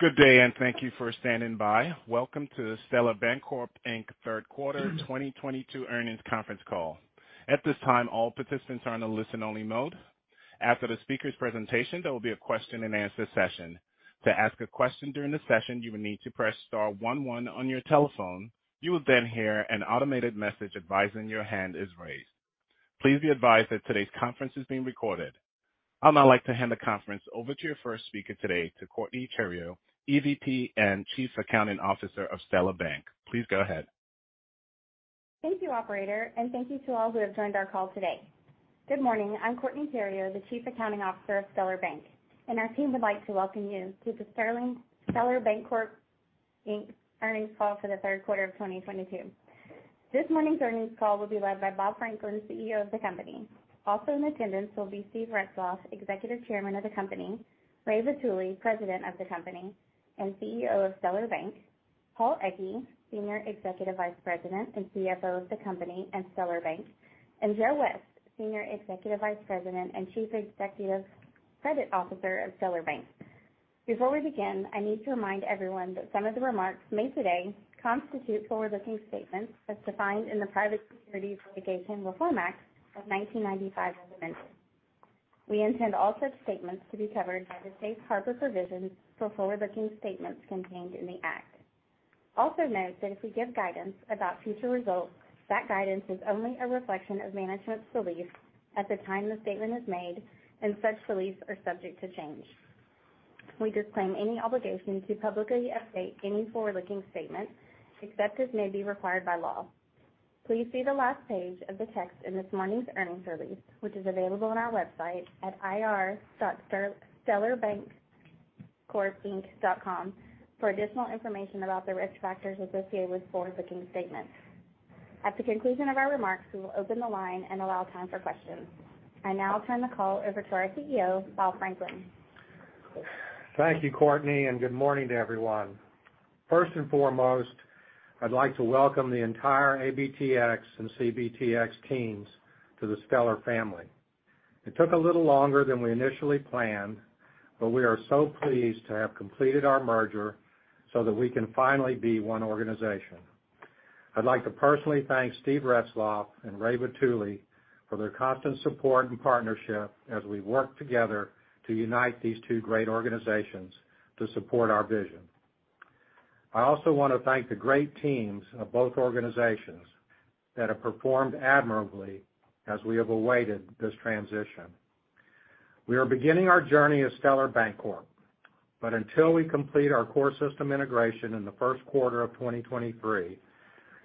Good day, and thank you for standing by. Welcome to the Stellar Bancorp, Inc. third quarter 2022 earnings conference call. At this time, all participants are in a listen-only mode. After the speaker's presentation, there will be a question-and-answer session. To ask a question during the session, you will need to press star one one on your telephone. You will then hear an automated message advising your hand is raised. Please be advised that today's conference is being recorded. I'd now like to hand the conference over to your first speaker today, to Courtney Theriot, EVP and Chief Accounting Officer of Stellar Bank. Please go ahead. Thank you, operator, and thank you to all who have joined our call today. Good morning. I'm Courtney Theriot, the Chief Accounting Officer of Stellar Bank, and our team would like to welcome you to the Stellar Bancorp, Inc. earnings call for the third quarter of 2022. This morning's earnings call will be led by Bob Franklin, CEO of the company. Also in attendance will be Steve Retzloff, Executive Chairman of the company, Ray Vitulli, President of the company and CEO of Stellar Bank, Paul Egge, Senior Executive Vice President and CFO of the company and Stellar Bank, and Joe West, Senior Executive Vice President and Chief Credit Officer of Stellar Bank. Before we begin, I need to remind everyone that some of the remarks made today constitute forward-looking statements as defined in the Private Securities Litigation Reform Act of 1995 as amended. We intend all such statements to be covered by the safe harbor provisions for forward-looking statements contained in the act. Also note that if we give guidance about future results, that guidance is only a reflection of management's beliefs at the time the statement is made, and such beliefs are subject to change. We disclaim any obligation to publicly update any forward-looking statements, except as may be required by law. Please see the last page of the text in this morning's earnings release, which is available on our website at ir.stellarbancorpinc.com for additional information about the risk factors associated with forward-looking statements. At the conclusion of our remarks, we will open the line and allow time for questions. I now turn the call over to our CEO, Bob Franklin. Thank you, Courtney, and good morning to everyone. First and foremost, I'd like to welcome the entire ABTX and CBTX teams to the Stellar family. It took a little longer than we initially planned, but we are so pleased to have completed our merger so that we can finally be one organization. I'd like to personally thank Steven F. Retzloff and Ramon A. Vitulli III for their constant support and partnership as we work together to unite these two great organizations to support our vision. I also wanna thank the great teams of both organizations that have performed admirably as we have awaited this transition. We are beginning our journey as Stellar Bancorp, but until we complete our core system integration in the first quarter of 2023,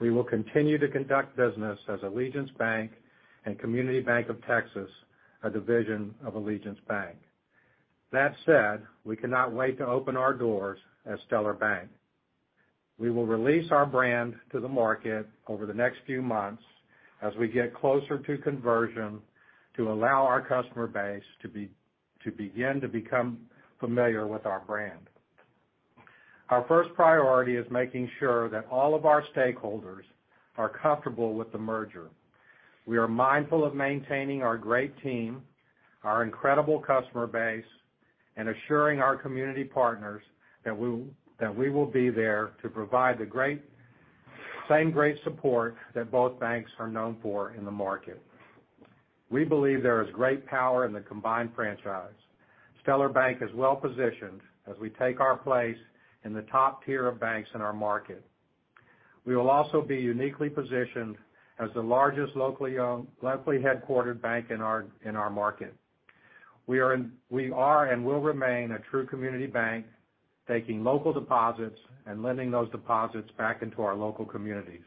we will continue to conduct business as Allegiance Bank and Community Bank of Texas, a division of Allegiance Bank. That said, we cannot wait to open our doors as Stellar Bank. We will release our brand to the market over the next few months as we get closer to conversion to allow our customer base to begin to become familiar with our brand. Our first priority is making sure that all of our stakeholders are comfortable with the merger. We are mindful of maintaining our great team, our incredible customer base, and assuring our community partners that we will be there to provide the same great support that both banks are known for in the market. We believe there is great power in the combined franchise. Stellar Bank is well-positioned as we take our place in the top tier of banks in our market. We will also be uniquely positioned as the largest locally owned, locally headquartered bank in our market. We are and will remain a true community bank, taking local deposits and lending those deposits back into our local communities.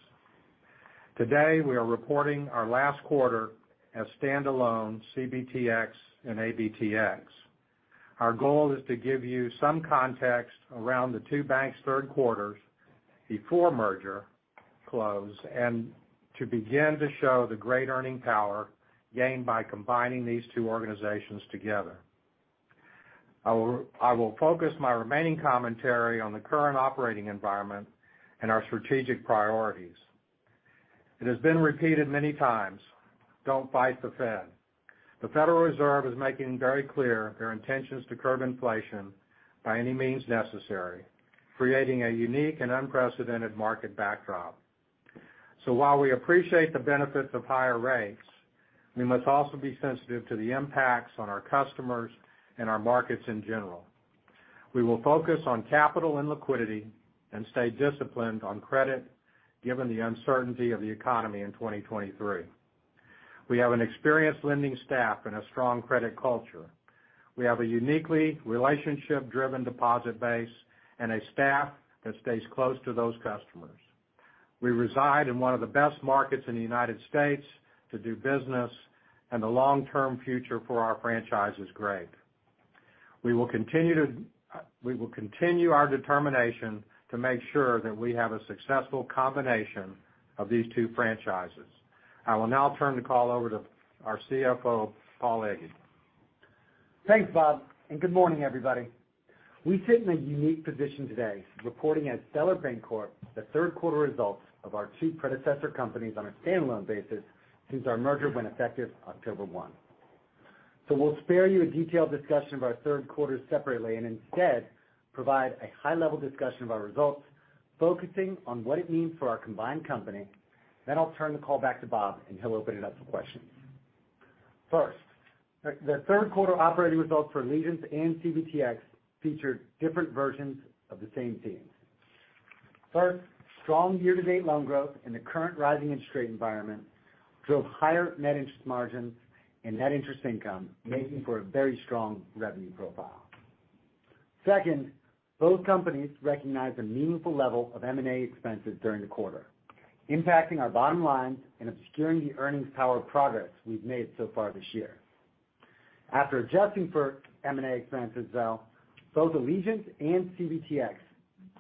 Today, we are reporting our last quarter as standalone CBTX and ABTX. Our goal is to give you some context around the two banks' third quarters before merger close and to begin to show the great earning power gained by combining these two organizations together. I will focus my remaining commentary on the current operating environment and our strategic priorities. It has been repeated many times, don't fight the Fed. The Federal Reserve is making very clear their intentions to curb inflation by any means necessary, creating a unique and unprecedented market backdrop. While we appreciate the benefits of higher rates, we must also be sensitive to the impacts on our customers and our markets in general. We will focus on capital and liquidity and stay disciplined on credit, given the uncertainty of the economy in 2023. We have an experienced lending staff and a strong credit culture. We have a uniquely relationship-driven deposit base and a staff that stays close to those customers. We reside in one of the best markets in the United States to do business, and the long-term future for our franchise is great. We will continue our determination to make sure that we have a successful combination of these two franchises. I will now turn the call over to our CFO, Paul Egge. Thanks, Bob, and good morning, everybody. We sit in a unique position today, reporting as Stellar Bancorp the third quarter results of our two predecessor companies on a standalone basis since our merger went effective October one. We'll spare you a detailed discussion of our third quarter separately and instead provide a high-level discussion of our results, focusing on what it means for our combined company. I'll turn the call back to Bob, and he'll open it up for questions. First, the third quarter operating results for Allegiance and CBTX featured different versions of the same theme. First, strong year-to-date loan growth and the current rising interest rate environment drove higher net interest margins and net interest income, making for a very strong revenue profile. Second, both companies recognized a meaningful level of M&A expenses during the quarter, impacting our bottom lines and obscuring the earnings power progress we've made so far this year. After adjusting for M&A expenses, though, both Allegiance and CBTX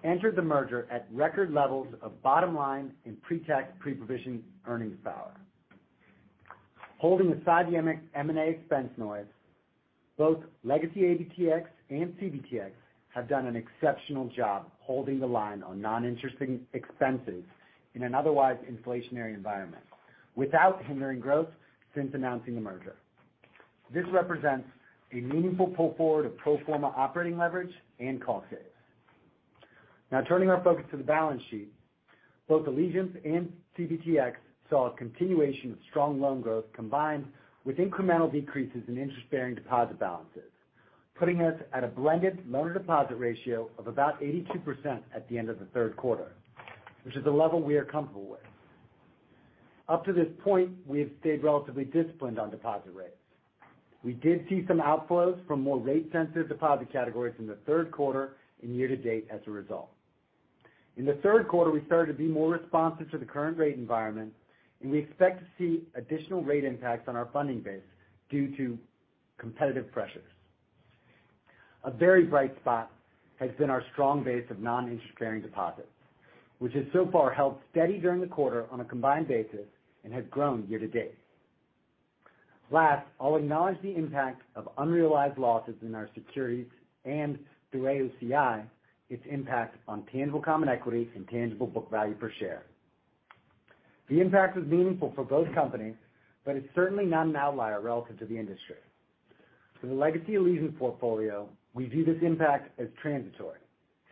entered the merger at record levels of bottom line in pre-tax, pre-provision earnings power. Holding aside the M&A expense noise, both legacy ABTX and CBTX have done an exceptional job holding the line on noninterest expenses in an otherwise inflationary environment without hindering growth since announcing the merger. This represents a meaningful pull forward of pro forma operating leverage and cost savings. Now turning our focus to the balance sheet, both Allegiance and CBTX saw a continuation of strong loan growth combined with incremental decreases in interest-bearing deposit balances, putting us at a blended loan-to-deposit ratio of about 82% at the end of the third quarter, which is a level we are comfortable with. Up to this point, we have stayed relatively disciplined on deposit rates. We did see some outflows from more rate-sensitive deposit categories in the third quarter and year-to-date as a result. In the third quarter, we started to be more responsive to the current rate environment, and we expect to see additional rate impacts on our funding base due to competitive pressures. A very bright spot has been our strong base of non-interest-bearing deposits, which has so far held steady during the quarter on a combined basis and has grown year-to-date. Last, I'll acknowledge the impact of unrealized losses in our securities and through AOCI, its impact on tangible common equity and tangible book value per share. The impact was meaningful for both companies, but it's certainly not an outlier relative to the industry. For the legacy Allegiance portfolio, we view this impact as transitory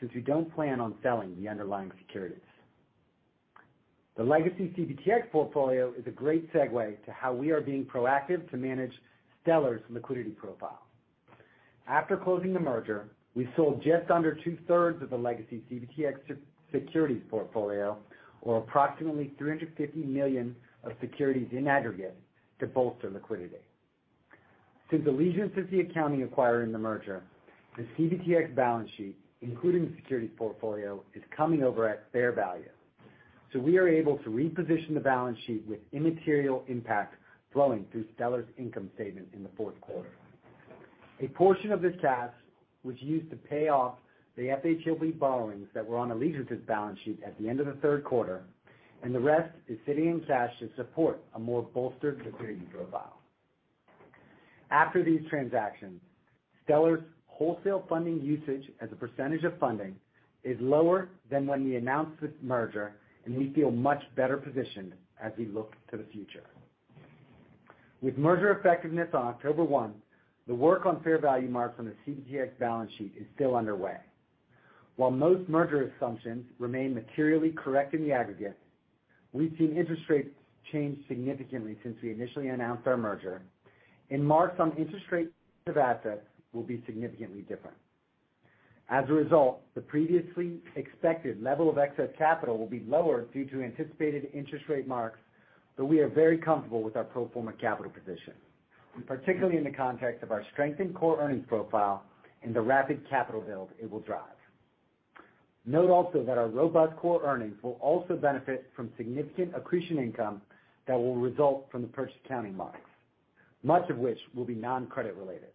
since we don't plan on selling the underlying securities. The legacy CBTX portfolio is a great segue to how we are being proactive to manage Stellar's liquidity profile. After closing the merger, we sold just under two-thirds of the legacy CBTX securities portfolio or approximately $350 million of securities in aggregate to bolster liquidity. Since Allegiance is the accounting acquirer in the merger, the CBTX balance sheet, including the securities portfolio, is coming over at fair value. We are able to reposition the balance sheet with immaterial impact flowing through Stellar's income statement in the fourth quarter. A portion of this cash was used to pay off the FHLB borrowings that were on Allegiance's balance sheet at the end of the third quarter, and the rest is sitting in cash to support a more bolstered security profile. After these transactions, Stellar's wholesale funding usage as a percentage of funding is lower than when we announced this merger, and we feel much better positioned as we look to the future. With merger effectiveness on October 1, the work on fair value mark from the CBTX balance sheet is still underway. While most merger assumptions remain materially correct in the aggregate, we've seen interest rates change significantly since we initially announced our merger, and marks on interest rates of assets will be significantly different. As a result, the previously expected level of excess capital will be lower due to anticipated interest rate marks, but we are very comfortable with our pro forma capital position, and particularly in the context of our strengthened core earnings profile and the rapid capital build it will drive. Note also that our robust core earnings will also benefit from significant accretion income that will result from the purchase accounting marks, much of which will be non-credit related.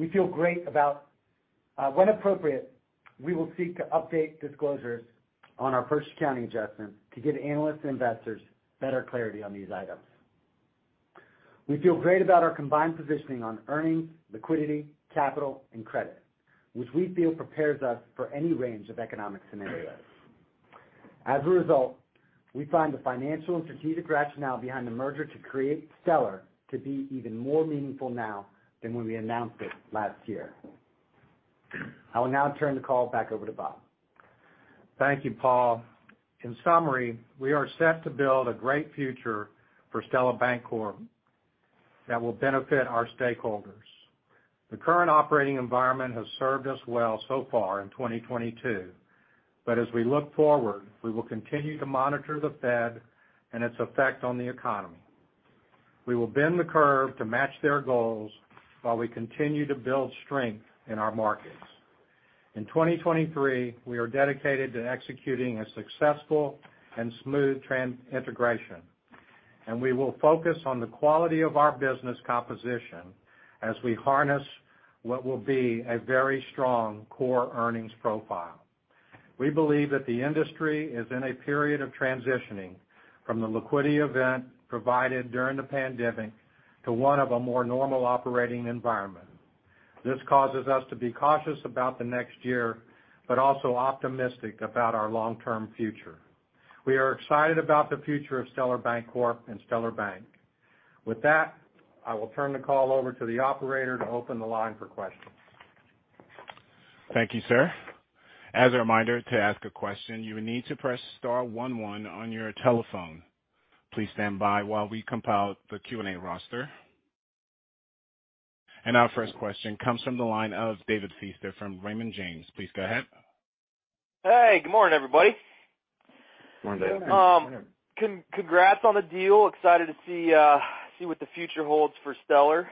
We feel great about. When appropriate, we will seek to update disclosures on our purchase accounting adjustments to give analysts and investors better clarity on these items. We feel great about our combined positioning on earnings, liquidity, capital, and credit, which we feel prepares us for any range of economic scenarios. As a result, we find the financial and strategic rationale behind the merger to create Stellar to be even more meaningful now than when we announced it last year. I will now turn the call back over to Bob. Thank you, Paul. In summary, we are set to build a great future for Stellar Bancorp that will benefit our stakeholders. The current operating environment has served us well so far in 2022, but as we look forward, we will continue to monitor the Fed and its effect on the economy. We will bend the curve to match their goals while we continue to build strength in our markets. In 2023, we are dedicated to executing a successful and smooth integration, and we will focus on the quality of our business composition as we harness what will be a very strong core earnings profile. We believe that the industry is in a period of transitioning from the liquidity event provided during the pandemic to one of a more normal operating environment. This causes us to be cautious about the next year, but also optimistic about our long-term future. We are excited about the future of Stellar Bancorp and Stellar Bank. With that, I will turn the call over to the operator to open the line for questions. Thank you, sir. As a reminder, to ask a question, you will need to press star one one on your telephone. Please stand by while we compile the Q&A roster. Our first question comes from the line of David Feaster from Raymond James. Please go ahead. Hey, good morning, everybody. Morning, David. Congrats on the deal. Excited to see what the future holds for Stellar.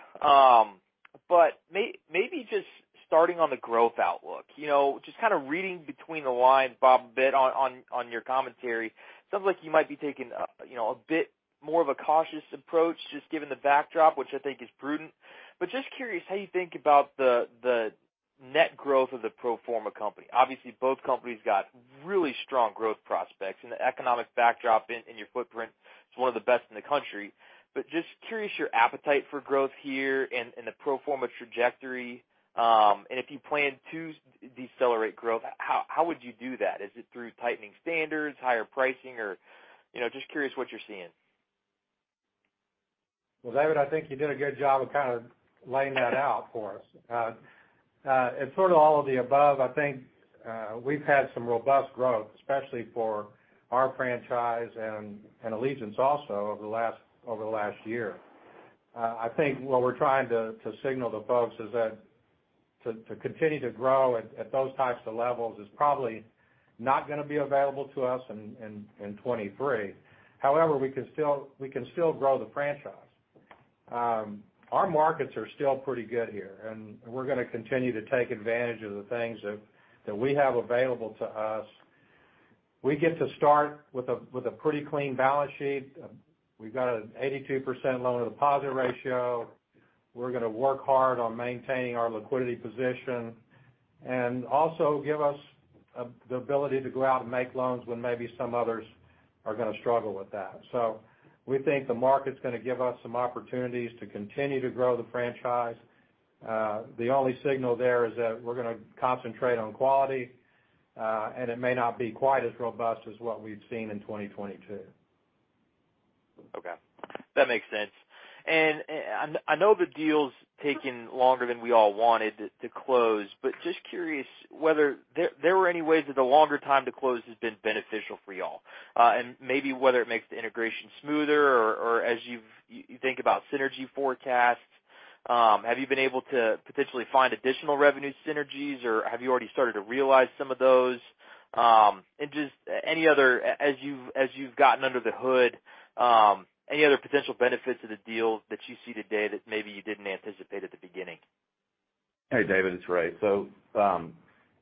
Maybe just starting on the growth outlook. You know, just kind of reading between the lines, Bob, a bit on your commentary, sounds like you might be taking you know, a bit more of a cautious approach, just given the backdrop, which I think is prudent. Just curious how you think about the net growth of the pro forma company. Obviously, both companies got really strong growth prospects, and the economic backdrop in your footprint is one of the best in the country. Just curious your appetite for growth here and the pro forma trajectory, and if you plan to decelerate growth, how would you do that? Is it through tightening standards, higher pricing? Or, you know, just curious what you're seeing. Well, David, I think you did a good job of kind of laying that out for us. It's sort of all of the above. I think we've had some robust growth, especially for our franchise and Allegiance also over the last year. I think what we're trying to signal to folks is that to continue to grow at those types of levels is probably not gonna be available to us in 2023. However, we can still grow the franchise. Our markets are still pretty good here, and we're gonna continue to take advantage of the things that we have available to us. We get to start with a pretty clean balance sheet. We've got an 82% loan deposit ratio. We're gonna work hard on maintaining our liquidity position and also give us the ability to go out and make loans when maybe some others are gonna struggle with that. We think the market's gonna give us some opportunities to continue to grow the franchise. The only signal there is that we're gonna concentrate on quality, and it may not be quite as robust as what we've seen in 2022. Okay. That makes sense. I know the deal's taken longer than we all wanted it to close, but just curious whether there were any ways that the longer time to close has been beneficial for y'all. Maybe whether it makes the integration smoother or as you think about synergy forecasts, have you been able to potentially find additional revenue synergies, or have you already started to realize some of those? Just any other potential benefits of the deal, as you've gotten under the hood, that you see today that maybe you didn't anticipate at the beginning? Hey, David, it's Ray.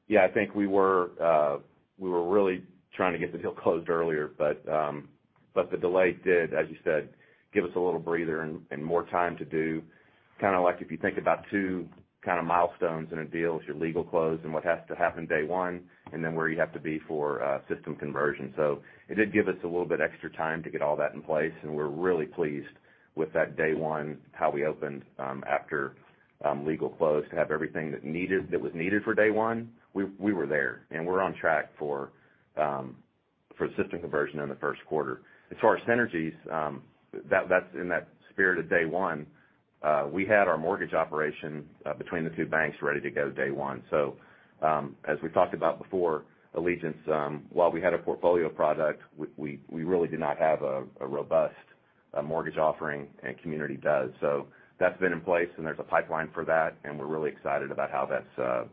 Yeah, I think we were really trying to get the deal closed earlier, but the delay did, as you said, give us a little breather and more time to do kind of like if you think about two kind of milestones in a deal is your legal close and what has to happen day one, and then where you have to be for system conversion. It did give us a little bit extra time to get all that in place, and we're really pleased with that day one, how we opened after legal close to have everything that needed, that was needed for day one. We were there, and we're on track for system conversion in the first quarter. As far as synergies, that's in that spirit of day one. We had our mortgage operation between the two banks ready to go day one. As we talked about before, Allegiance, while we had a portfolio product, we really did not have a robust mortgage offering, and Community does. That's been in place, and there's a pipeline for that, and we're really excited about how that's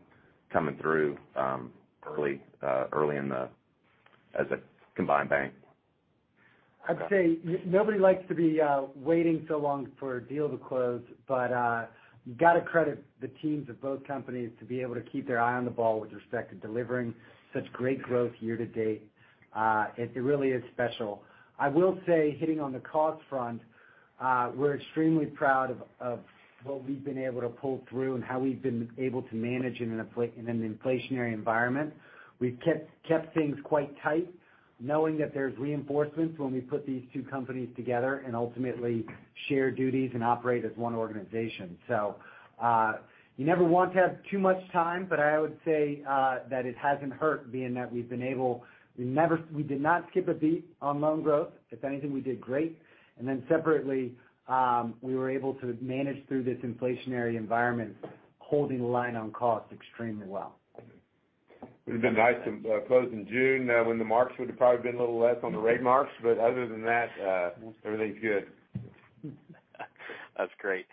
coming through early in the year as a combined bank. I'd say nobody likes to be waiting so long for a deal to close, but you gotta credit the teams of both companies to be able to keep their eye on the ball with respect to delivering such great growth year to date. It really is special. I will say, hitting on the cost front, we're extremely proud of what we've been able to pull through and how we've been able to manage in an inflationary environment. We've kept things quite tight, knowing that there's reinforcements when we put these two companies together and ultimately share duties and operate as one organization. You never want to have too much time, but I would say that it hasn't hurt being that we've been able. We did not skip a beat on loan growth. If anything, we did great. Separately, we were able to manage through this inflationary environment, holding the line on cost extremely well. It would've been nice to close in June when the marks would've probably been a little less on the rate marks, but other than that everything's good. That's great.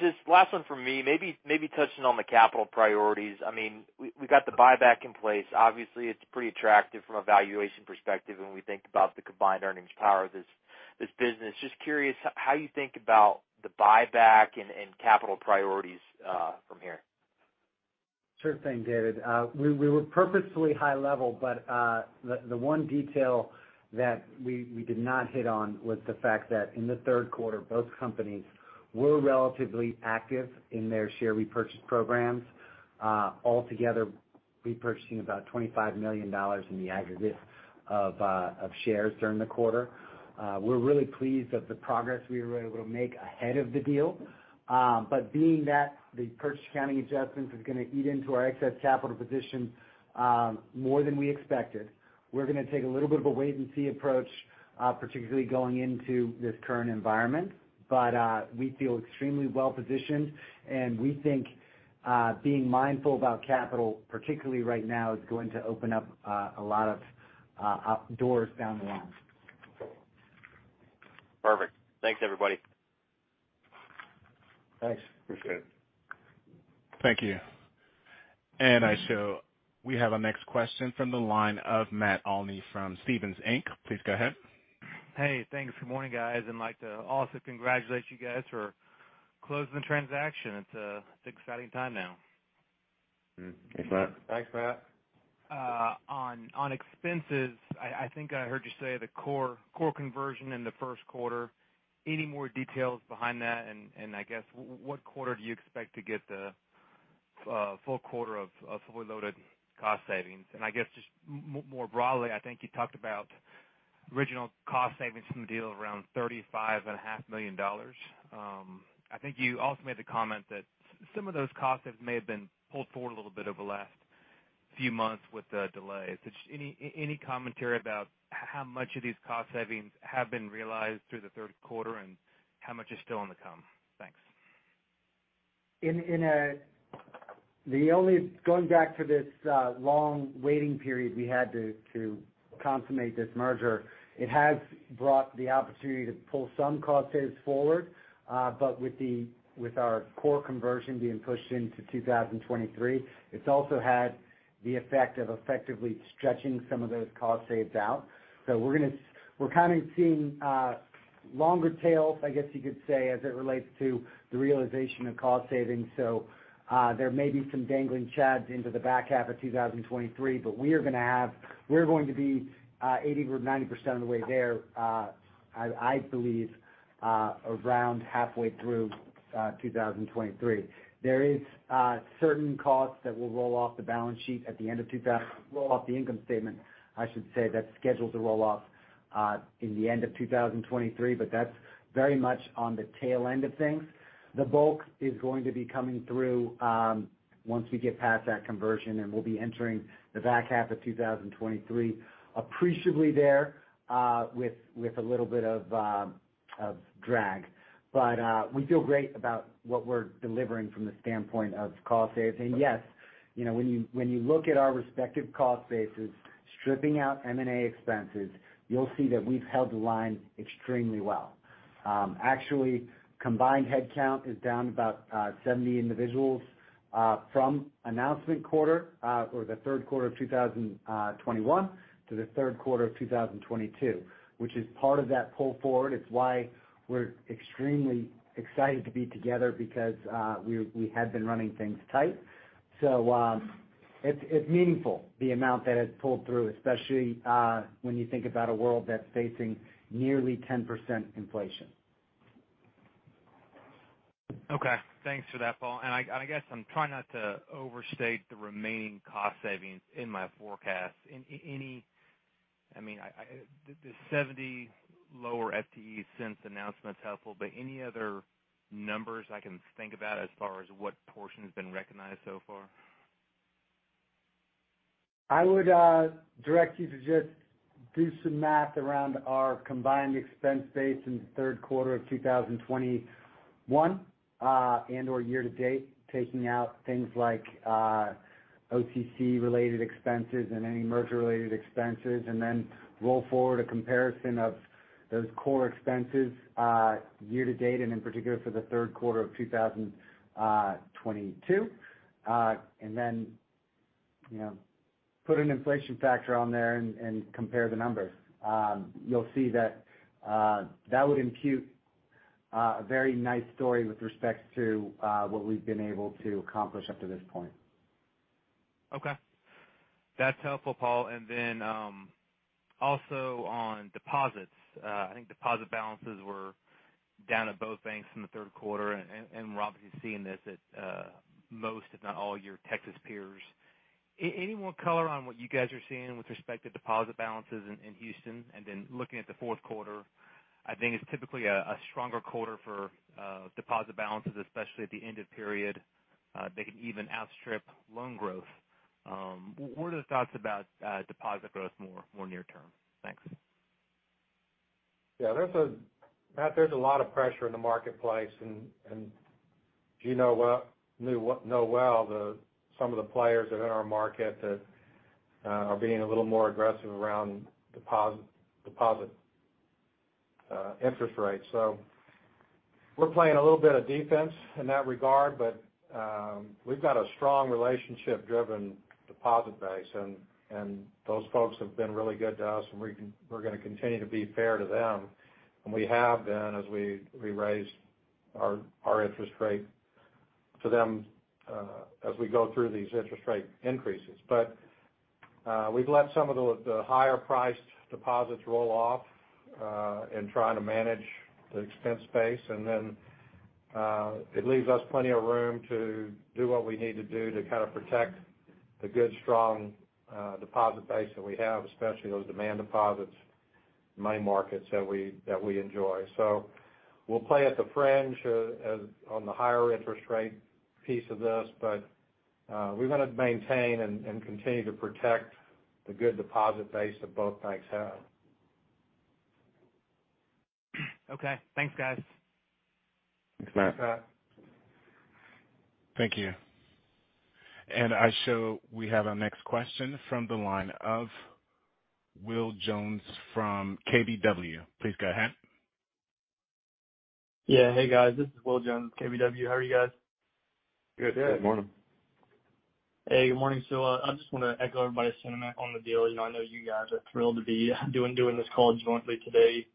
Just last one from me, maybe touching on the capital priorities. I mean, we got the buyback in place. Obviously it's pretty attractive from a valuation perspective when we think about the combined earnings power of this business. Just curious how you think about the buyback and capital priorities from here. Sure thing, David. We were purposefully high level, but the one detail that we did not hit on was the fact that in the third quarter, both companies were relatively active in their share repurchase programs. Altogether repurchasing about $25 million in the aggregate of shares during the quarter. We're really pleased with the progress we were able to make ahead of the deal. Being that the purchase accounting adjustment is gonna eat into our excess capital position more than we expected, we're gonna take a little bit of a wait and see approach, particularly going into this current environment. We feel extremely well positioned, and we think being mindful about capital, particularly right now, is going to open up a lot of doors down the line. Perfect. Thanks, everybody. Thanks. Appreciate it. Thank you. I show we have our next question from the line of Matt Olney from Stephens Inc. Please go ahead. Hey. Thanks. Good morning, guys. I'd like to also congratulate you guys for closing the transaction. It's an exciting time now. Thanks, Matt. Thanks, Matt. On expenses, I think I heard you say the core conversion in the first quarter. Any more details behind that? I guess what quarter do you expect to get the full quarter of fully loaded cost savings? I guess just more broadly, I think you talked about original cost savings from the deal around $35.5 million. I think you also made the comment that some of those costs may have been pulled forward a little bit over the last few months with the delays. Just any commentary about how much of these cost savings have been realized through the third quarter and how much is still on the come? Thanks. Going back to this long waiting period we had to consummate this merger, it has brought the opportunity to pull some cost saves forward. But with our core conversion being pushed into 2023, it's also had the effect of effectively stretching some of those cost saves out. We're kind of seeing longer tails, I guess you could say, as it relates to the realization of cost savings. There may be some hanging chads into the back half of 2023, but we're going to be 80% or 90% of the way there, I believe, around halfway through 2023. There is certain costs that will roll off the income statement, I should say, that's scheduled to roll off in the end of 2023, but that's very much on the tail end of things. The bulk is going to be coming through once we get past that conversion, and we'll be entering the back half of 2023 appreciably there with a little bit of drag. We feel great about what we're delivering from the standpoint of cost saves. Yes, you know, when you look at our respective cost bases, stripping out M&A expenses, you'll see that we've held the line extremely well. Actually combined headcount is down about 70 individuals from announcement quarter or the third quarter of 2021 to the third quarter of 2022, which is part of that pull forward. It's why we're extremely excited to be together because we had been running things tight. It's meaningful, the amount that has pulled through, especially when you think about a world that's facing nearly 10% inflation. Okay. Thanks for that, Paul. I guess I'm trying not to overstate the remaining cost savings in my forecast. Any, I mean, I, the 70 lower FTE since announcement's helpful, but any other numbers I can think about as far as what portion has been recognized so far? I would direct you to just do some math around our combined expense base in the third quarter of 2021, and/or year to date, taking out things like OCC-related expenses and any merger-related expenses, and then roll forward a comparison of those core expenses, year to date and in particular for the third quarter of 2022. Then, you know, put an inflation factor on there and compare the numbers. You'll see that that would impute a very nice story with respect to what we've been able to accomplish up to this point. Okay. That's helpful, Paul. Also on deposits, I think deposit balances were down at both banks in the third quarter and we're obviously seeing this at most, if not all, your Texas peers. Any more color on what you guys are seeing with respect to deposit balances in Houston? Looking at the fourth quarter, I think it's typically a stronger quarter for deposit balances, especially at the end of period. They can even outstrip loan growth. What are the thoughts about deposit growth more near term? Thanks. Yeah. There's a lot of pressure in the marketplace, and you know well some of the players that are in our market that are being a little more aggressive around deposit interest rates. We're playing a little bit of defense in that regard, but we've got a strong relationship-driven deposit base and those folks have been really good to us, and we're gonna continue to be fair to them. We have been as we raised our interest rate to them as we go through these interest rate increases. We've let some of the higher priced deposits roll off in trying to manage the expense base. It leaves us plenty of room to do what we need to do to kind of protect the good, strong deposit base that we have, especially those demand deposits, money markets that we enjoy. We'll play at the fringe as in the higher interest rate piece of this. We want to maintain and continue to protect the good deposit base that both banks have. Okay. Thanks, guys. Thanks, Matt. Thank you. I show we have our next question from the line of Will Jones from KBW. Please go ahead. Yeah. Hey, guys, this is Will Jones, KBW. How are you guys? Good. Good morning. Hey, good morning. I just want to echo everybody's sentiment on the deal. I know you guys are thrilled to be doing this call jointly today.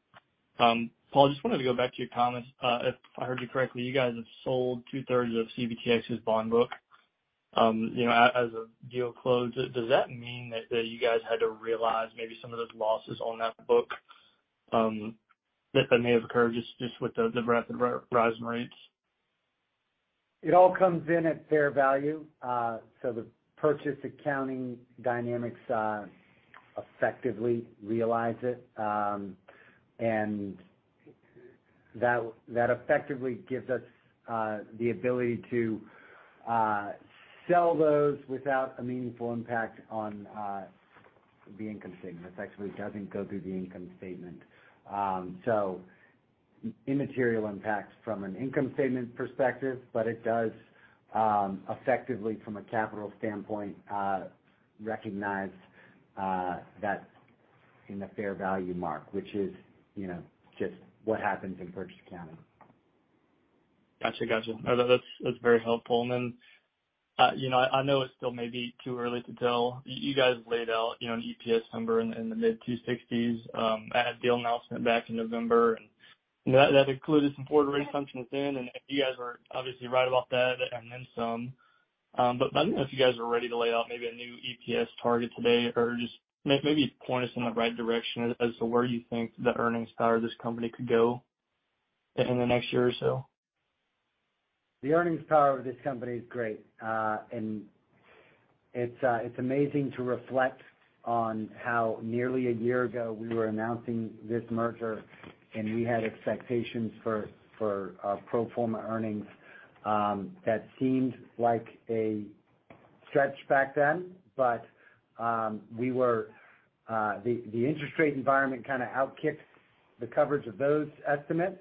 Paul, just wanted to go back to your comments. If I heard you correctly, you guys have sold two-thirds of CBTX's bond book as the deal closed. Does that mean that you guys had to realize maybe some of those losses on that book that may have occurred just with the rapid rise in rates? It all comes in at fair value. The purchase accounting dynamics effectively realize it. That effectively gives us the ability to sell those without a meaningful impact on the income statement. This actually doesn't go through the income statement. Immaterial impacts from an income statement perspective, but it does effectively from a capital standpoint recognize that in the fair value mark, which is, you know, just what happens in purchase accounting. Gotcha. No, that's very helpful. Then, you know, I know it's still maybe too early to tell. You guys laid out, you know, an EPS number in the mid-$2.60s at deal announcement back in November, and that included some forward rate assumptions in. You guys were obviously right about that and then some. But I don't know if you guys are ready to lay out maybe a new EPS target today or just maybe point us in the right direction as to where you think the earnings power of this company could go in the next year or so. The earnings power of this company is great. It's amazing to reflect on how nearly a year ago we were announcing this merger, and we had expectations for pro forma earnings that seemed like a stretch back then. The interest rate environment kind of outkicked the coverage of those estimates.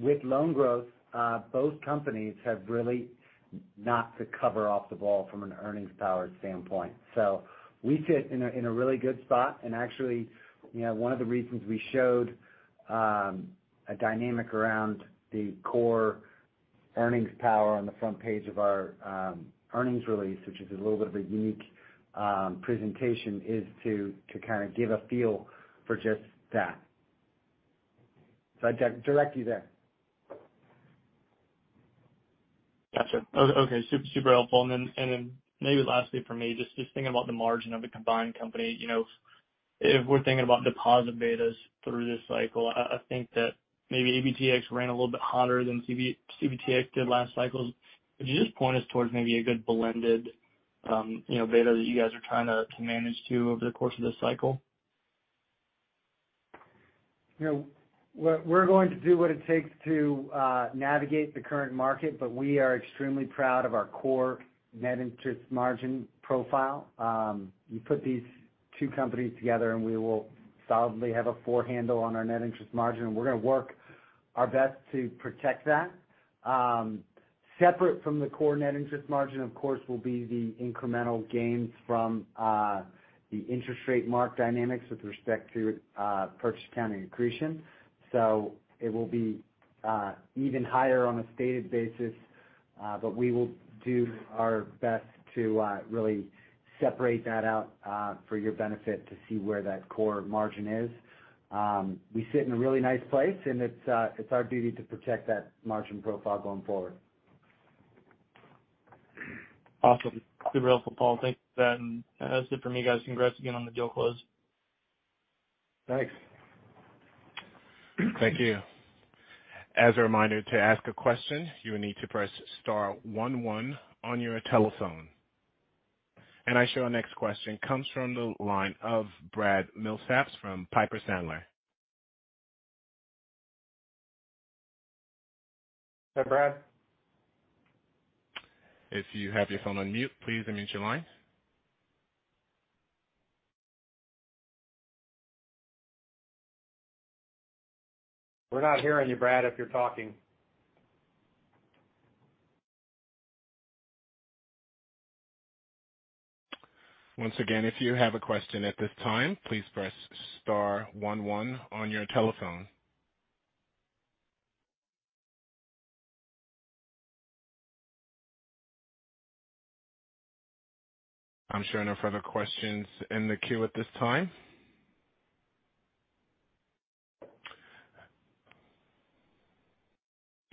With loan growth, both companies have really knocked the cover off the ball from an earnings power standpoint. We sit in a really good spot. Actually, you know, one of the reasons we showed a dynamic around the core earnings power on the front page of our earnings release, which is a little bit of a unique presentation, is to kind of give a feel for just that. I'd direct you there. Gotcha. Okay. Super, super helpful. Maybe lastly from me, just thinking about the margin of the combined company. You know, if we're thinking about deposit betas through this cycle, I think that maybe ABTX ran a little bit hotter than CBTX did last cycle. Could you just point us towards maybe a good blended, you know, beta that you guys are trying to manage toward over the course of this cycle? You know, we're going to do what it takes to navigate the current market, but we are extremely proud of our core net interest margin profile. You put these two companies together, and we will solidly have a four handle on our net interest margin, and we're gonna work our best to protect that. Separate from the core net interest margin, of course, will be the incremental gains from the interest rate mark dynamics with respect to purchase accounting accretion. So it will be even higher on a stated basis. We will do our best to really separate that out for your benefit to see where that core margin is. We sit in a really nice place, and it's our duty to protect that margin profile going forward. Awesome. Super helpful, Paul. Thanks for that. That's it for me, guys. Congrats again on the deal close. Thanks. Thank you. As a reminder, to ask a question, you will need to press star one one on your telephone. I show our next question comes from the line of Bradley Milsaps from Piper Sandler. Hi, Brad. If you have your phone on mute, please unmute your line. We're not hearing you, Brad, if you're talking. Once again, if you have a question at this time, please press star one one on your telephone. I'm showing no further questions in the queue at this time.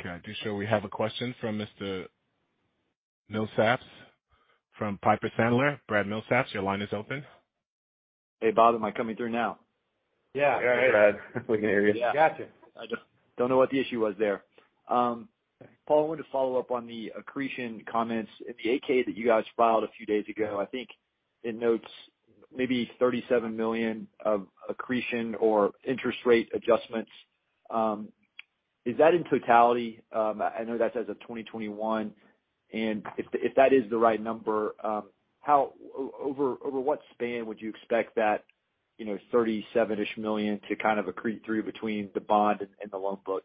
I do show we have a question from Mr. Milsaps from Piper Sandler. Bradley Milsaps, your line is open. Hey, Bob. Am I coming through now? Yeah. Yeah. We can hear you. Gotcha. I just don't know what the issue was there. Paul, I wanted to follow up on the accretion comments. In the 8-K/A that you guys filed a few days ago, I think it notes maybe $37 million of accretion or interest rate adjustments. Is that in totality? I know that's as of 2021. If that is the right number, over what span would you expect that, you know, $37-ish million to kind of accrete through between the bond and the loan book?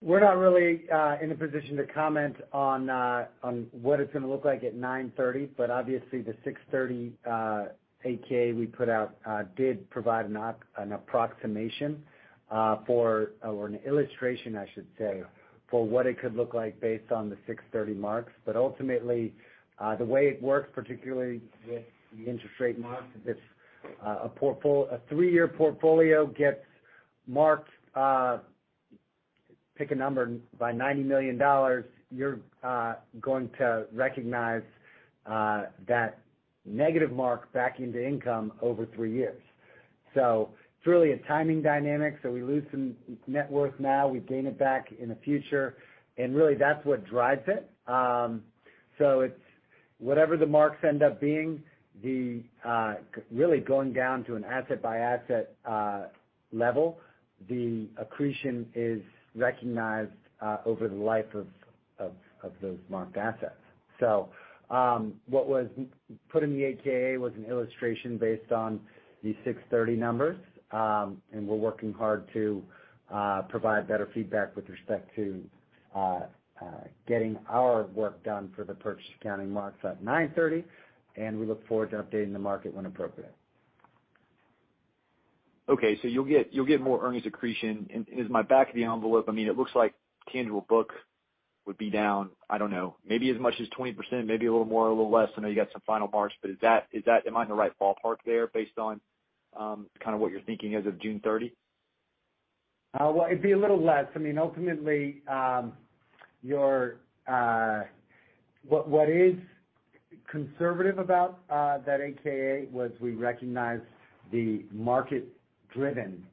We're not really in a position to comment on what it's gonna look like at 9:30. Obviously, the 6:30 8-K/A we put out did provide an approximation or an illustration, I should say, for what it could look like based on the 6:30 marks. Ultimately, the way it works, particularly with the interest rate marks, if a three-year portfolio gets marked, pick a number, by $90 million, you're going to recognize that negative mark back into income over three years. It's really a timing dynamic. We lose some net worth now. We gain it back in the future. Really, that's what drives it. It's whatever the marks end up being, really going down to an asset-by-asset level. The accretion is recognized over the life of those marked assets. What was put in the 8-K/A was an illustration based on the 6/30 numbers. We're working hard to provide better feedback with respect to getting our work done for the purchase accounting marks at 9/30. We look forward to updating the market when appropriate. Okay. You'll get more earnings accretion. As my back of the envelope, I mean, it looks like tangible book would be down, I don't know, maybe as much as 20%, maybe a little more or a little less. I know you got some final marks. Is that am I in the right ballpark there based on kind of what you're thinking as of June 30? Well, it'd be a little less. I mean, ultimately, what is conservative about that 8-K/A is that we recognized the market-driven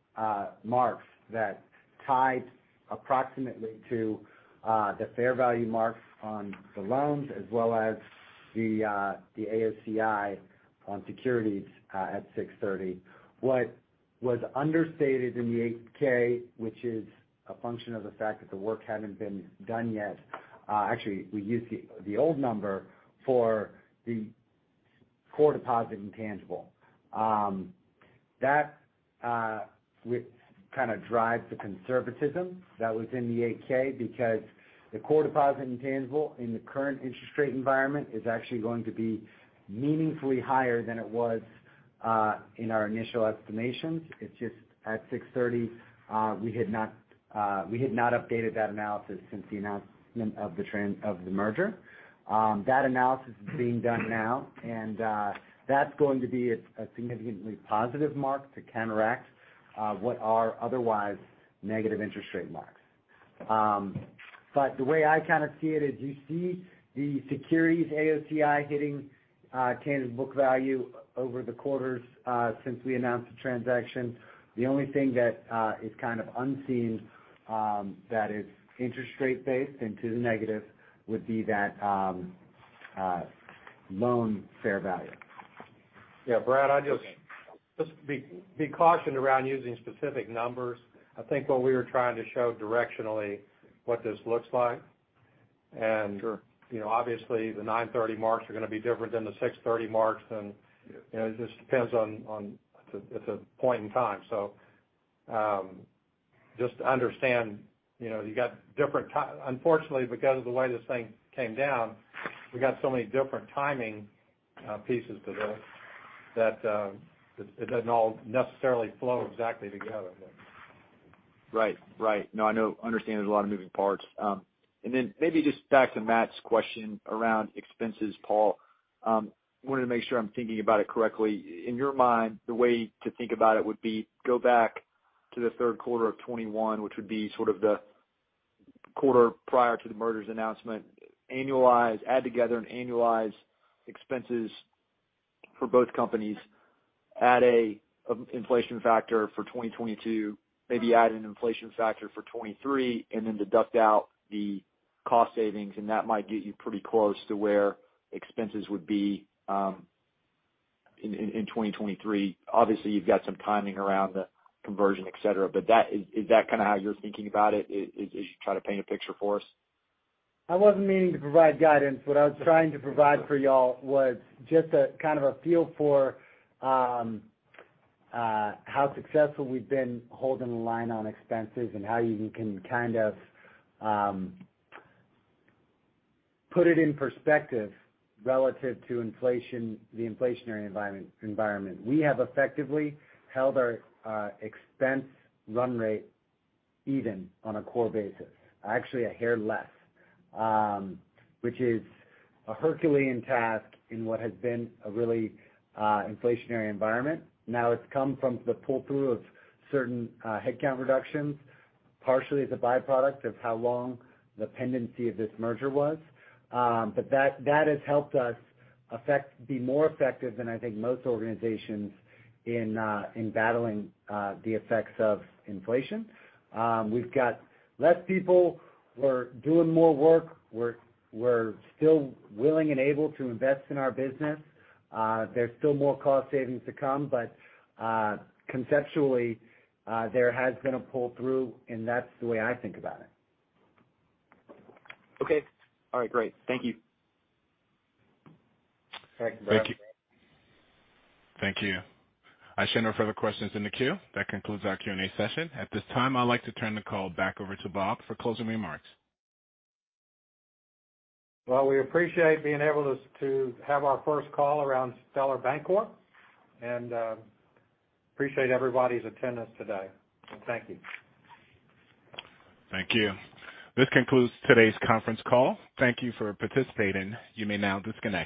marks that tied approximately to the fair value marks on the loans as well as the AOCI on securities at 6/30. What was understated in the 8-K, which is a function of the fact that the work hadn't been done yet. Actually, we used the old number for the core deposit intangible. That which kind of drives the conservatism that was in the 8-K because the core deposit intangible in the current interest rate environment is actually going to be meaningfully higher than it was in our initial estimations. It's just at 6:30, we had not updated that analysis since the announcement of the merger. That analysis is being done now. That's going to be a significantly positive mark to counteract what are otherwise negative interest rate marks. The way I kind of see it is you see the securities AOCI hitting tangible book value over the quarters since we announced the transaction. The only thing that is kind of unseen that is interest rate based into the negative would be that loan fair value. Yeah. Brad, Okay. Just be cautioned around using specific numbers. I think what we were trying to show directionally what this looks like. Sure. You know, obviously the 9:30 marks are gonna be different than the 6:30 marks. You know, it just depends on. It's a point in time. Just understand, you know, you got different unfortunately, because of the way this thing came down, we got so many different timing pieces to this that it doesn't all necessarily flow exactly together there Right. No, I know, understand there's a lot of moving parts. And then maybe just back to Matt's question around expenses, Paul. Wanted to make sure I'm thinking about it correctly. In your mind, the way to think about it would be go back to the third quarter of 2021, which would be sort of the quarter prior to the merger's announcement, annualize, add together and annualize expenses for both companies. Add a inflation factor for 2022, maybe add an inflation factor for 2023, and then deduct out the cost savings, and that might get you pretty close to where expenses would be in 2023. Obviously, you've got some timing around the conversion, et cetera. That is that kinda how you're thinking about it as you try to paint a picture for us? I wasn't meaning to provide guidance. What I was trying to provide for y'all was just a kind of a feel for how successful we've been holding the line on expenses and how you can kind of put it in perspective relative to inflation, the inflationary environment. We have effectively held our expense run rate even on a core basis. Actually, a hair less, which is a Herculean task in what has been a really inflationary environment. Now it's come from the pull-through of certain headcount reductions, partially as a byproduct of how long the pendency of this merger was. That has helped us be more effective than I think most organizations in battling the effects of inflation. We've got less people. We're doing more work. We're still willing and able to invest in our business. There's still more cost savings to come, but conceptually, there has been a pull-through, and that's the way I think about it. Okay. All right. Great. Thank you. Thanks, Brad. Thank you. I show no further questions in the queue. That concludes our Q&A session. At this time, I'd like to turn the call back over to Bob for closing remarks. Well, we appreciate being able to have our first call around Stellar Bancorp, and appreciate everybody's attendance today. Thank you. Thank you. This concludes today's conference call. Thank you for participating. You may now disconnect.